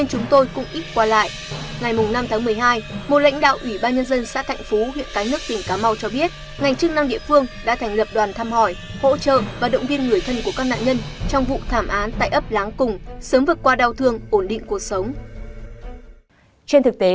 chúng tôi sẽ cập nhật khi có thông tin mới nhất